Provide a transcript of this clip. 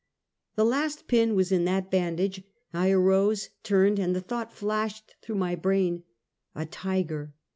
The last pin was in that bandage; I arose, turned, and the thought flashed through my brain, " a tiger."